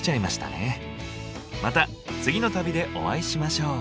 また次の旅でお会いしましょう。